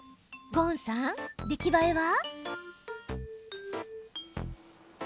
ゴーンさん、出来栄えは？